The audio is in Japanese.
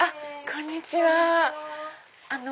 こんにちは。